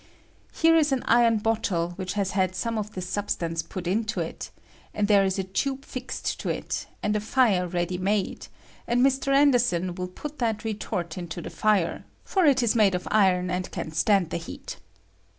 Here ia an iron bottle dt ^ which haa had some of this substance put into id there is a tube fixed to it, and a fire ready made, and Mr, Anderson will put that retort into the fire, for it is made of iron, and can stand the heat.